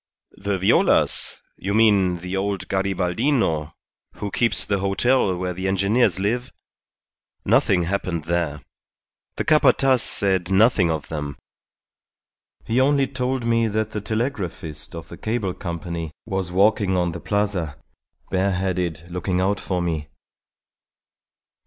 "The Violas? You mean the old Garibaldino who keeps the hotel where the engineers live? Nothing happened there. The Capataz said nothing of them; he only told me that the telegraphist of the Cable Company was walking on the Plaza, bareheaded, looking out for me.